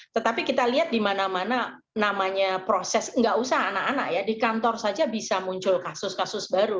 tetapi kita lihat di mana mana namanya proses nggak usah anak anak ya di kantor saja bisa muncul kasus kasus baru